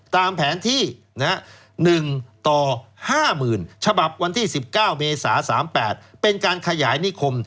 ตามแผนที่๑ต่อ๕๐๐๐ฉบับวันที่๑๙เมษา๓๘เป็นการขยายนิคม